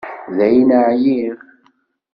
Dayen ɛyiɣ.